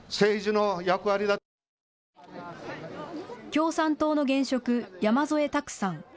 共産党の現職、山添拓さん。